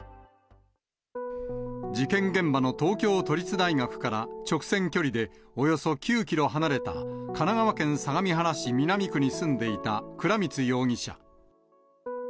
事件現場の東京都立大学から、直線距離でおよそ９キロ離れた神奈川県相模原市南区に住んでいた倉光容疑者。